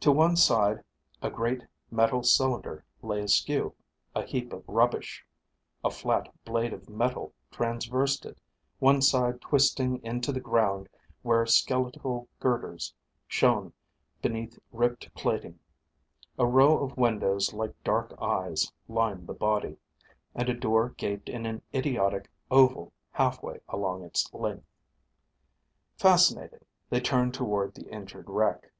To one side a great metal cylinder lay askew a heap of rubbish. A flat blade of metal transversed it, one side twisting into the ground where skeletal girders shown beneath ripped plating. A row of windows like dark eyes lined the body, and a door gaped in an idiotic oval halfway along its length. Fascinated, they turned toward the injured wreck.